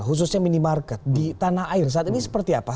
khususnya minimarket di tanah air saat ini seperti apa